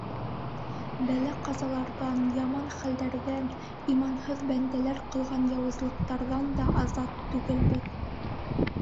Бәлә-ҡазаларҙан, яман хәлдәрҙән, иманһыҙ бәндәләр ҡылған яуызлыҡтарҙан да азат түгелбеҙ.